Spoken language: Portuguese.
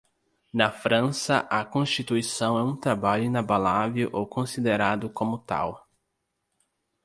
Na França, a constituição é um trabalho inabalável ou considerado como tal.